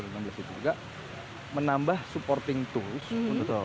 dan pada dua ribu enam belas itu juga menambah supporting tools